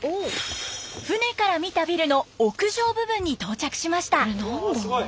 船から見たビルの屋上部分に到着しました。